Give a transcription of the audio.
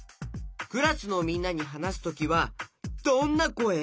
クラスのみんなにはなすときはどんなこえ？